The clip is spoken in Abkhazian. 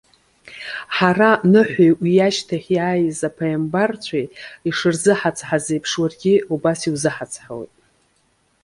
Ҳара Ныҳәи уи иашьҭахь иааиз аԥааимбарцәеи ишырзыҳацҳаз еиԥш уаргьы убас иузыҳацҳауеит.